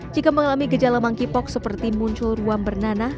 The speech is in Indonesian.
jika mengalami gejala monkeypox seperti muncul ruang bernanah